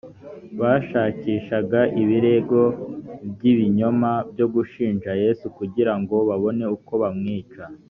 bashakishaga ibirego by ibinyoma byo gushinja yesu kugira ngo babone uko bamwica